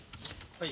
はい。